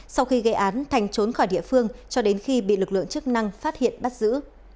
sau khi gây án thành trốn khỏi địa phương cho đến khi bị lực lượng chức năng phát hiện bắt giữ